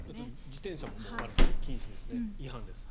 自転車も禁止ですね違反です。